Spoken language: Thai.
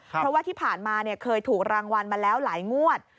เพราะว่าที่ผ่านมาเคยถูกรางวัลมาแล้วหลายงวด